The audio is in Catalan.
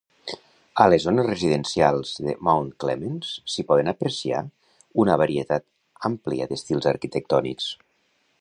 A les zones residencials de Mount Clemens s'hi poden apreciar una varietat àmplia d'estils arquitectònics.